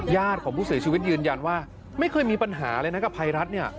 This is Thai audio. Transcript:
ของผู้เสียชีวิตยืนยันว่าไม่เคยมีปัญหาเลยนะกับภัยรัฐเนี่ย